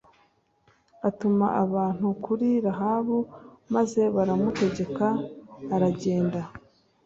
atuma abantu kuri rahabu maze baramutegeka aragenda